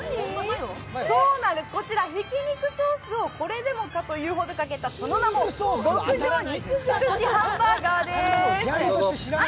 こちらひき肉ソースをこれでもかというほどかけてその名も極上肉ずくしバーガーです。